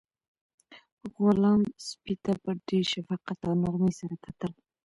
غلام سپي ته په ډېر شفقت او نرمۍ سره کتل.